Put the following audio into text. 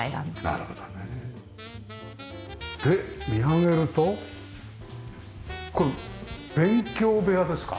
なるほどね。で見上げるとこれ勉強部屋ですか？